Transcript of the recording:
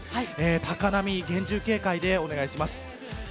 高波に厳重警戒でお願いします。